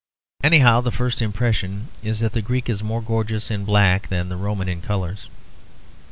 Anyhow the first impression is that the Greek is more gorgeous in black than the Roman in colours.